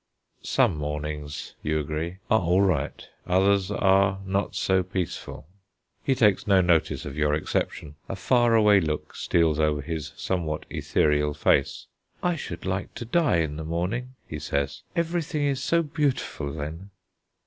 "Some mornings," you agree, "are all right; others are not so peaceful." He takes no notice of your exception; a far away look steals over his somewhat ethereal face. "I should like to die in the morning," he says; "everything is so beautiful then."